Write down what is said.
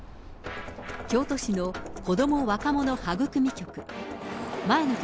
京都市の子ども若者はぐくみ局。